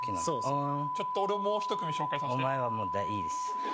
そうそうちょっと俺もう一組紹介させてお前はもういいです